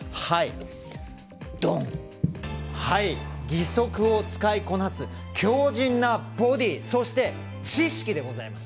義足を使いこなす強じんなボディーそして、知識でございます。